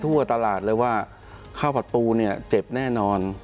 ทั่วตลาดเลยว่าข้าวผัดปูเนี่ยเจ็บแน่นอน